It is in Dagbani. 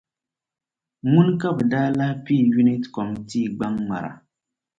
Ŋuni ka bɛ daa lahi piigi Unit Kɔmitii gbaŋ' ŋmara.